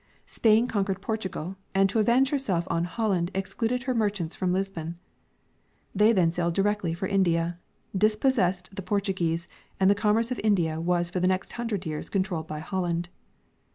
Spain conquered Portugal, and to avenge herself on Holland excluded her merchants from lisbon. They then sailed directly for India, dispossessed the Portuguese, and the commerce of India Avas for the next hundred years controlled by Holland.